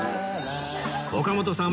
岡本さん